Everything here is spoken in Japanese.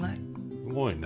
すごいね。